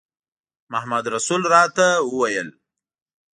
محمدرسول راته وویل.